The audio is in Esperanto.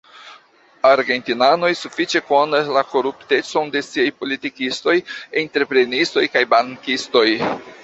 Argentinanoj sufiĉe konas la koruptecon de siaj politikistoj, entreprenistoj kaj bankistoj.